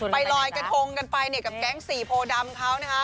ไปลอยกระทงกันไปกับแก๊งสี่โพดำเขานะฮะ